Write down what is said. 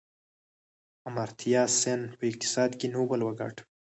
امرتیا سین په اقتصاد کې نوبل وګاټه.